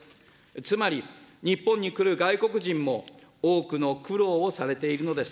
つまり、日本に来る外国人も、多くの苦労をされているのです。